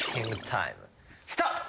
スタート！